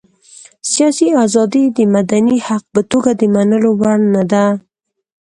سياسي ازادي یې د مدني حق په توګه د منلو وړ نه ده.